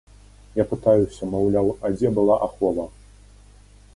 Я пытаюся, маўляў, а дзе была ахова?